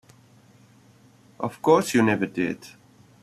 Of course you never did.